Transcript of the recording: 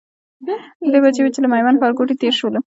درې بجې وې چې له میوند ښارګوټي تېر شولو.